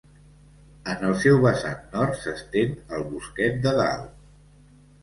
En el seu vessant nord s'estén el Bosquet de Dalt.